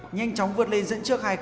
nhanh chóng vượt lên dẫn trước hai